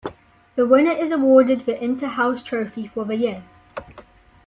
The winner is awarded the Inter House Trophy for the year.